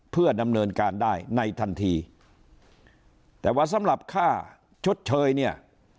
เพื่อดำเนินการได้ในทันทีแต่ว่าสำหรับค่าชดเชยเนี่ย